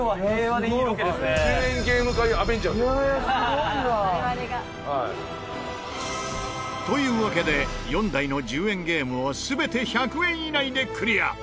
我々が。というわけで４台の１０円ゲームを全て１００円以内でクリア！